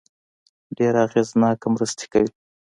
ډېره اغېزناکه مرسته کوي.